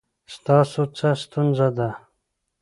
ستاسو څه ستونزه ده؟